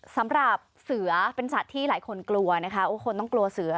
สำหรับเสือเป็นสัตว์ที่หลายคนกลัวนะคะโอ้คนต้องกลัวเสือ